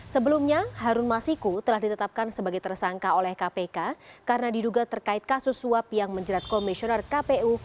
sebelumnya harun masiku telah ditetapkan sebagai tersangka oleh kpk karena diduga terkait kasus suap yang menjerat komisioner kpu